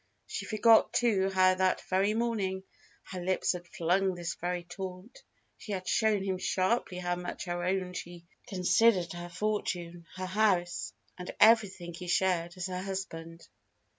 She forgot, too, how that very morning her lips had flung this very taunt. She had shown him sharply how much her own she considered her fortune, her house, and everything he shared as her husband.